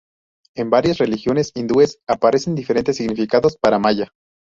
En varias religiones hindúes aparecen diferentes significados para Maya.